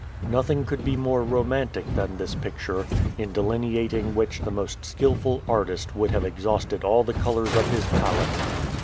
Nothing could be more romantic than this picture, in delineating which the most skillful artist would have exhausted all the colors of his palette.